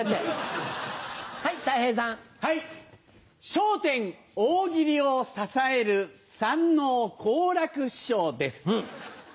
笑点「大喜利」を支える三ＮＯ好楽師匠です。